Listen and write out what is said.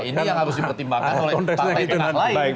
ini yang harus dipertimbangkan oleh partai tengah lain